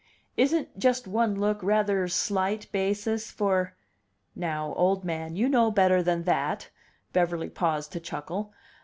"Isn't just one look rather slight basis for " "Now, old man, you know better than that!" Beverly paused to chuckle.